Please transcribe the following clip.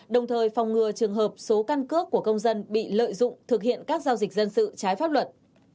đồng thời phòng ngừa trường hợp số căn cước của công dân bị lợi dụng thực hiện các giao dịch dân sự trái pháp luật